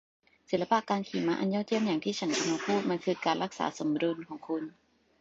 ศิลปะการขี่ม้าอันยอดเยี่ยมอย่างที่ฉันกำลังพูด มันคือการรักษาสมดุลของคุณ